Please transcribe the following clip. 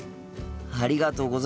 ありがとうございます！